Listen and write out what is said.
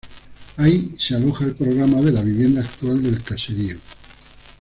Ahí se aloja el programa de la vivienda actual del caserío.